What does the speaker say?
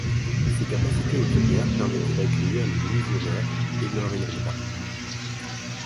Ses capacités hôtelières permettaient d'accueillir les légionnaires et leurs ayants droit.